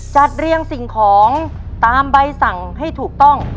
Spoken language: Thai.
จัดเรียงสิ่งของตามใบสั่งให้ถูกต้อง